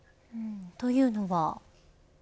というのは。